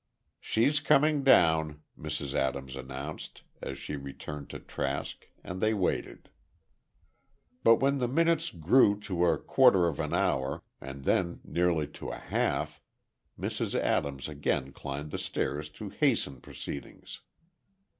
"She's coming down," Mrs. Adams announced, as she returned to Trask and they waited. But when the minutes grew to a quarter of an hour, and then nearly to a half, Mrs. Adams again climbed the stairs to hasten proceedings.